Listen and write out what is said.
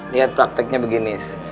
niat prakteknya begini